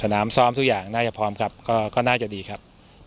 ซ้อมทุกอย่างน่าจะพร้อมครับก็น่าจะดีครับ